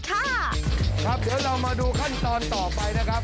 ครับเดี๋ยวเรามาดูขั้นตอนต่อไปนะครับ